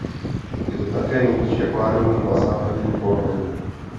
Je to také největší akvárium na západní polokouli.